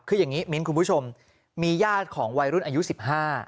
คืออย่างนี้มิ้นคุณผู้ชมมีญาติของวัยรุ่นอายุสิบห้า